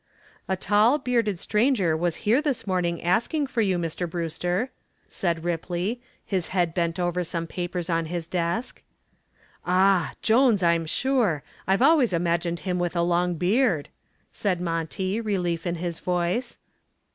"A tall, bearded stranger was here this morning asking for you, Mr. Brewster," said Ripley, his head bent over some papers on his desk. "Ah! Jones, I'm sure. I've always imagined him with a long beard," said Monty, relief in his voice.